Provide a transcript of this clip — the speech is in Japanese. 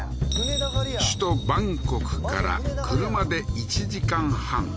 首都バンコクから車で１時間半